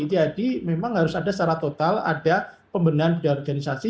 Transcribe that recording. jadi memang harus ada secara total ada pembendahan bidang organisasi